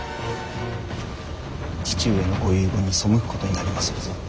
父上のご遺言に背くことになりまするぞ。